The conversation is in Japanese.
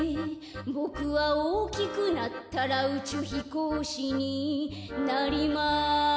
「ボクはおおきくなったらうちゅうひこうしになりまあす」